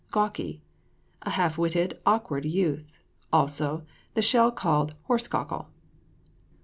GAWKY. A half witted, awkward youth. Also, the shell called horse cockle.